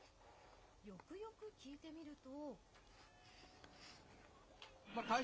よくよく聞いてみると。